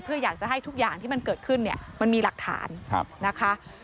เพื่ออยากจะให้ทุกอย่างที่มันเกิดขึ้นเนี่ยมันมีหลักฐานนะคะ